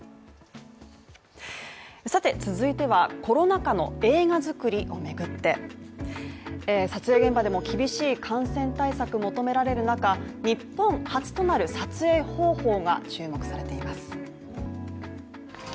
さて、続いては、コロナ禍の映画作りを巡って撮影現場でも厳しい感染対策求められる中日本初となる撮影方法が注目されています。